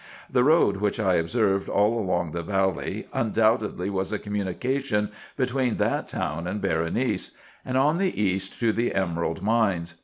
The road which I observed all along the valley undoubtedly was a communication between that town and Berenice, and on the east to the emerald mines.